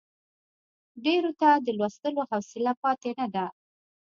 ډېریو ته د لوستلو حوصله پاتې نه ده.